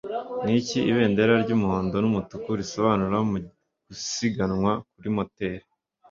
Niki Ibendera ry'umuhondo n'umutuku risobanura mugusiganwa kuri moteri